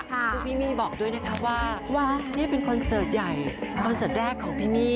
ซึ่งพี่มี่บอกด้วยนะคะว่านี่เป็นคอนเสิร์ตใหญ่คอนเสิร์ตแรกของพี่มี่